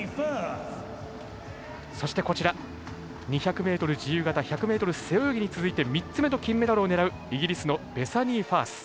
そしてこちら、２００ｍ自由形１００ｍ背泳ぎに続いて３つ目の金メダルを狙うイギリスのベサニー・ファース。